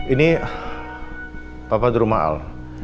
ini papa di rumah al